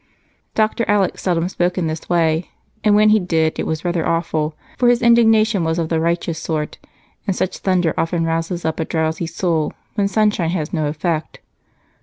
Dr. Alec seldom spoke in this way, and when he did it was rather awful, for his indignation was of the righteous sort and such thunder often rouses up a drowsy soul when sunshine has no effect.